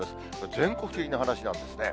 全国的な話なんですね。